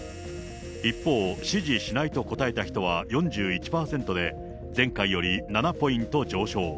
一方、支持しないと答えた人は４１％で、前回より７ポイント上昇。